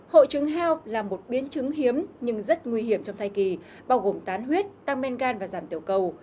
hội chứng heo là một biến chứng hiếm nhưng rất nguy hiểm trong thai kỳ bao gồm tán huyết tăng men gan và giảm tiểu cầu